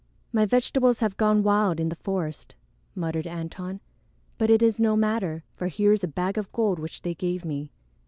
"My vegetables have gone wild in the forest," muttered Antone, "but it is no matter, for here is a bag of gold which they gave me.